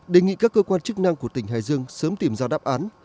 đề nghị các cơ quan chức năng của tỉnh hải dương sớm tìm ra đáp án